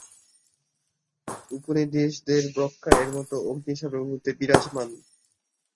উপনিষদের ব্রহ্মা-এর মতো অগ্নি সর্বভূতে বিরাজমান।